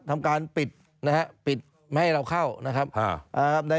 ทำการปิดนะฮะปิดไม่ให้เราเข้านะครับ